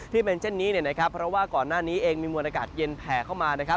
ที่เป็นเช่นนี้เพราะว่าก่อนหน้านี้เองมีมลวงอากาศเย็นแผ่เข้ามา